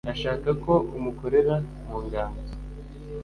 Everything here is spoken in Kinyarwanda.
Ashaka ko umukorera mu nganzo